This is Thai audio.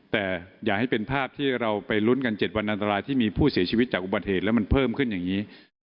แต่อย่าให้เป็นภาพที่เราไปลุ้นกัน๗วันอันตรายที่มีผู้เสียชีวิตจากอุบัติเหตุแล้วมันเพิ่มขึ้นอย่างนี้